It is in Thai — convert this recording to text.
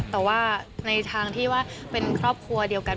แต่ว่าในทางที่ว่าเป็นครอบครัวเดียวกัน